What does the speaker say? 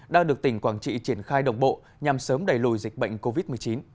đang được tỉnh quảng trị triển khai đồng bộ nhằm sớm đẩy lùi dịch bệnh covid một mươi chín